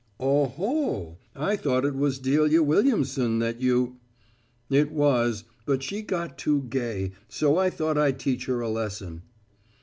"Oh ho, I thought it was Delia Williamson that you " "It was, but she got too gay, so I thought I'd teach her a lesson."